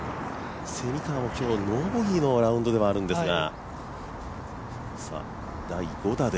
蝉川は今日ノーボギーのラウンドではあるんですが。